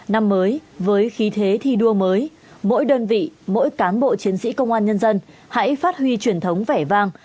năm mới với khí thế thi đua mới mỗi đơn vị mỗi cán bộ chiến sĩ công an nhân dân hãy phát huy truyền thống vẻ vang